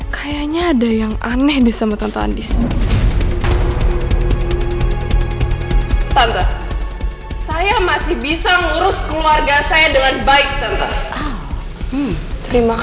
karena bayi ini sendirian